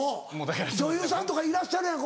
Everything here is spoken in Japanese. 女優さんとかいらっしゃるやん。